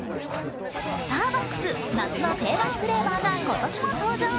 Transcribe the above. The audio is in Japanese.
スターバックス、夏の定番フレーバーが今年も登場。